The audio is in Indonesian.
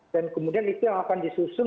dan kemudian itu yang akan disusun